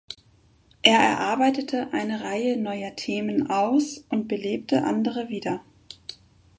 Er erarbeitete eine Reihe neuer Themen aus und belebte andere wieder.